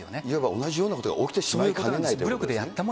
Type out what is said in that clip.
いわば、同じようなことが起きてしまいかねないということですね。